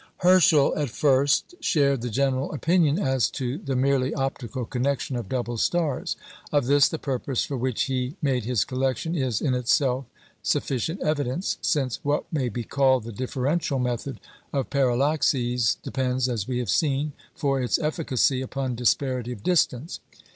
Herschel at first shared the general opinion as to the merely optical connection of double stars. Of this the purpose for which he made his collection is in itself sufficient evidence, since what may be called the differential method of parallaxes depends, as we have seen, for its efficacy upon disparity of distance.